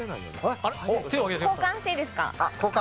交換していいですか。